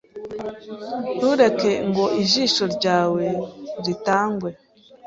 Ntureke ngo ijisho ryawe ritangwe